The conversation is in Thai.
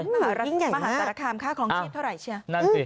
มาหาตรัคคาร์มค่าของชีพเท่าไหร่เชีย